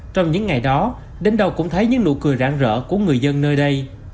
trong những ngày đó đến đâu cũng thấy những nụ cười rãn rỡ của người dân nơi đây